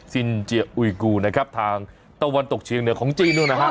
สินเจียอุยกูทางตะวันตกเชียงเหนือของจีน